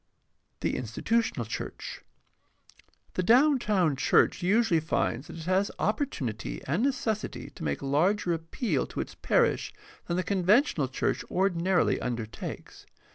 The institutional church. — The downtown church usually finds that it has opportunity and necessity to make larger appeal to its parish than the conventional church ordinarily undertakes.